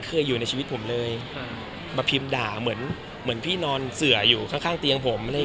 เอาเดี๋ยวครับคือผมเกิดมาเพราะโดนใด